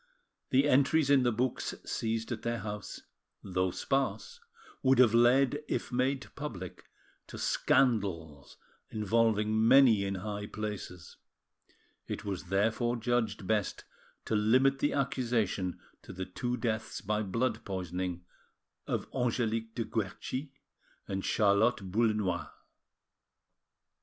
The entries in the books seized at their house, though sparse, would have led, if made public, to scandals, involving many in high places; it was therefore judged best to limit the accusation to the two deaths by blood poisoning of Angelique de Querchi and Charlotte Boullenois.